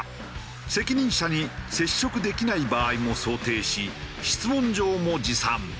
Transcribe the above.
責任者に接触できない場合も想定し質問状も持参。